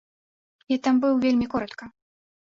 Я там быў вельмі коратка.